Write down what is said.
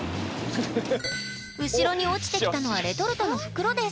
後ろに落ちてきたのはレトルトの袋です。